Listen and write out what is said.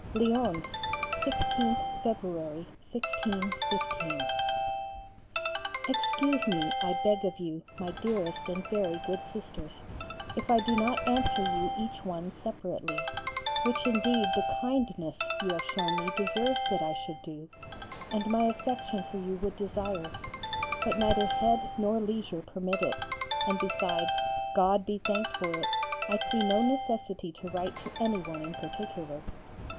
LYONS, 16th February, 1615. Excuse me, I beg of you, my dearest and very good Sisters, if I do not answer you each one separately, which indeed the kindness you have shown me deserves that I should do, and my affection for you would desire: but neither head nor leisure permit it, and besides, God be thanked for it, I see no necessity to write to any one in particular.